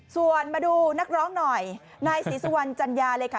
ส่วนมาดูนักร้องหน่อยนายศรีสุวรรณจัญญาเลยค่ะ